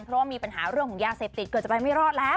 เพราะว่ามีปัญหาเรื่องของยาเสพติดเกือบจะไปไม่รอดแล้ว